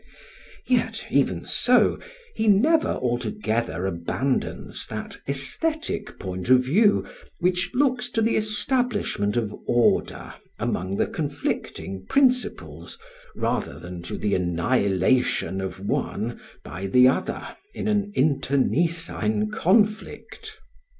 Yet even so, he never altogether abandons that aesthetic point of view which looks to the establishment of order among the conflicting principles rather than to the annihilation of one by the other in an internecine conflict.